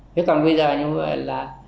thế còn bây giờ như vậy là